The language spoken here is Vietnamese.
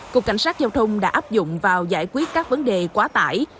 cục cảnh sát giao thông đã áp dụng vào giải quyết các vấn đề quá tải